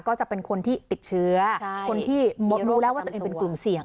ก็จะเป็นคนที่ติดเชื้อคนที่รู้แล้วว่าตัวเองเป็นกลุ่มเสี่ยง